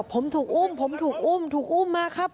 ผมถูกอุ้มผมถูกอุ้มถูกอุ้มมาครับ